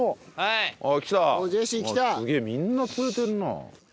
すげえみんな釣れてるな。